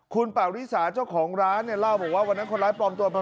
คุณปริศาเจ้าของร้านเล่าว่าวันนั้นคนร้ายปลอมตัว